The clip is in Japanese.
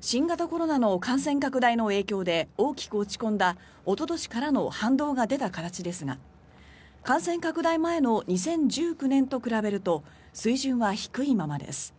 新型コロナの感染拡大の影響で大きく落ち込んだおととしからの反動が出た形ですが感染拡大前の２０１９年と比べると水準は低いままです。